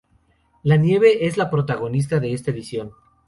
La nieve es la protagonista de esta edición.